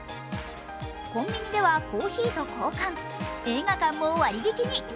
コンビニではコーヒーと交換、映画館も割引に。